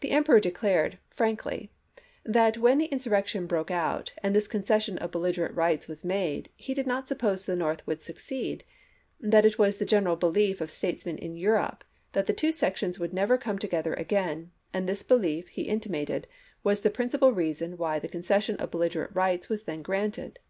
The Emperor declared frankly, that when the insurrection broke out and this concession of belligerent rights was made, he did not suppose the North would succeed ; that it was the general ' belief of statesmen in Europe that the two sections would never come together again, and this belief, he intimated, was the principal reason why the concession of belligerent rights was then granted.